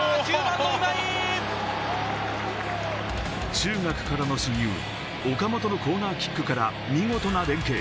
中学からの親友・岡本のコーナーキックから見事な連係。